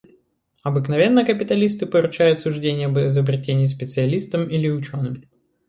Обыкновенно капиталисты поручают суждение об изобретении специалистам или ученым.